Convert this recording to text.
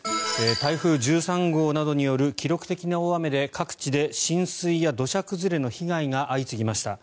台風１３号などによる記録的な大雨で各地で浸水や土砂崩れの被害が相次ぎました。